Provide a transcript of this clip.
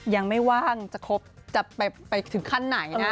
ยังไม่ว่างจะครบจะไปถึงขั้นไหนนะ